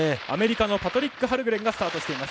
アメリカのパトリック・ハルグレン。